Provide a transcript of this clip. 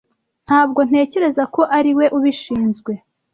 Ntabwo ntekereza ko ari we ubishinzwe.